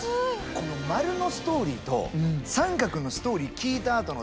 この丸のストーリーと三角のストーリー聞いたあとのだ円。